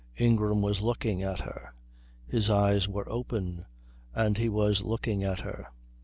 Ingram was looking at her. His eyes were open, and he was looking at her.